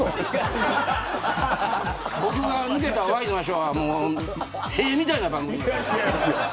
僕が抜けたワイドナショーは屁みたいな番組になるんで。